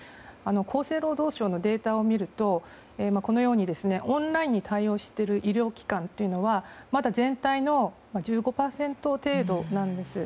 厚生労働省のデータを見るとオンラインに対応している医療機関というのはまだ全体の１５％程度なんです。